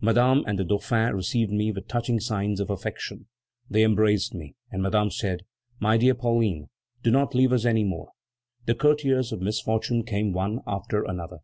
Madame and the Dauphin received me with touching signs of affection; they embraced me, and Madame said: 'My dear Pauline, do not leave us any more!'" The courtiers of misfortune came one after another.